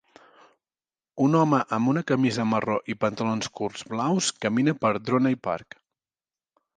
Un home amb una camisa marró i pantalons curts blaus camina per Droney Park.